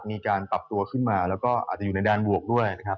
มีการปรับตัวขึ้นมาแล้วก็อาจจะอยู่ในแดนบวกด้วยนะครับ